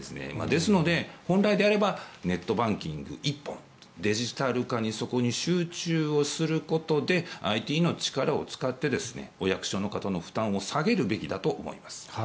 ですので、本来であればネットバンキング１本。デジタル化にそこに集中することでＩＴの力を使ってお役所の方の負担を下げるべきだと思います。